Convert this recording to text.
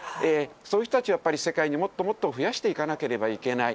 そういう人たち、やっぱり世界にもっともっと増やしていかなければいけない。